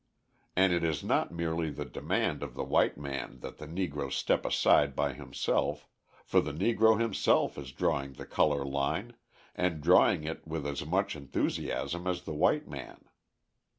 And it is not merely the demand of the white man that the Negro step aside by himself, for the Negro himself is drawing the colour line, and drawing it with as much enthusiasm as the white man.